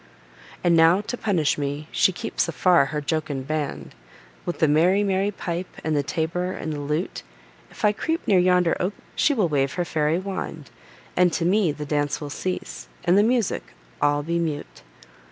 And now, to punish me, she keeps afar her jocund band, With the merry, merry pipe, and the tabor, and the lute; If I creep near yonder oak she will wave her fairy wand, And to me the dance will cease, and the music all be mute.